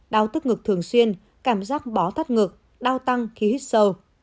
đau thất ngực thường xuyên cảm giác bó thất ngực đau tăng khi hít sâu